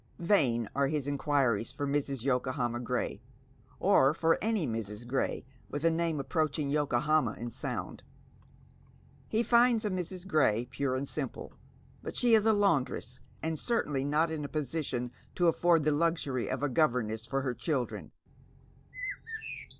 Vain are hia inquiries for Mrs. Yokohama Gray, or for any Mrs. Gray with a name approacliing Yokohama in sound. He finda a Mrs. Gray pure and simple, but she is a laundress, and certainly not in a position to afford the luxury of a governess for her children.